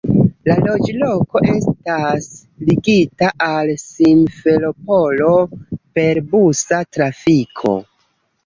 La loĝloko estas ligita al Simferopolo per busa trafiko.